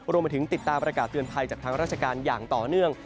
รวมไปถึงติดตามประกาศเตือนภัยจากทางราชการอย่างต่อเนื่อง